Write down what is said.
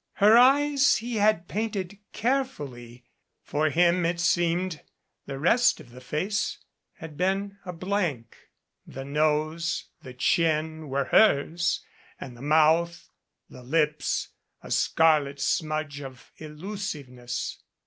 Her eyes he had painted carefully. For him it seemed the rest of the face had been a blank. The nose, the chin, were hers, and the mouth the lips, a scarlet smudge of illusiveness.